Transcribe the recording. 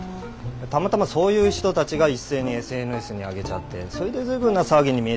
たまたまそういう人たちが一斉にＳＮＳにあげちゃってそれで随分な騒ぎに見えたんじゃないかな。